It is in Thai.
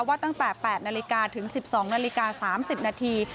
ตั้งแต่๘นาฬิกาถึง๑๒นาฬิกา๓๐นาที